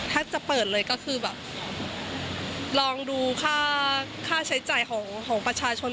ถ้าจะเปิดเลยก็คือแบบลองดูค่าใช้จ่ายของประชาชน